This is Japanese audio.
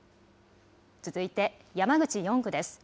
続いて山口４区です。